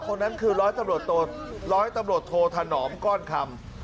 คนนั้นคือร้อยตำรวจร้อยตำรวจโทธนอมก้อนคำ